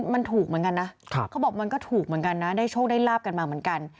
มันถูกเหมือนกันนะเขาบอกมันก็ถูกเหมือนกันนะได้โชคได้ลาบกันมาเหมือนกัน